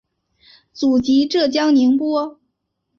祖籍浙江宁波。